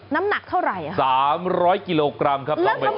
น้ำหนักเท่าไหร่สามร้อยกิโลกรัมครับต้องไปต่อ